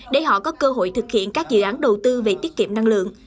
để họ có cơ hội thực hiện các dự án đầu tư về tiết kiệm năng lượng